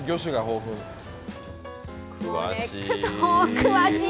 詳しい。